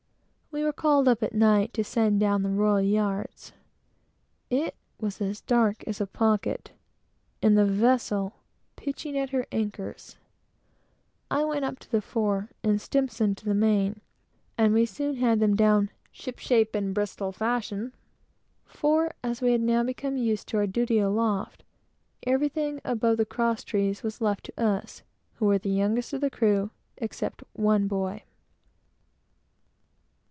We were called up at night to send down the royal yards. It was as dark as a pocket, and the vessel pitching at her anchors, I went up to the fore, and my friend S , to the main, and we soon had them down "ship shape and Bristol fashion," for, as we had now got used to our duty aloft, everything above the cross trees was left to us, who were the youngest of the crew, except one boy.